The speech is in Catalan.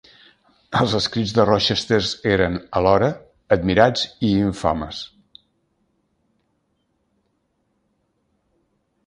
Els escrits de Rochester eren alhora admirats i infames.